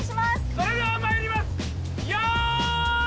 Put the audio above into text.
それではまいりますよーい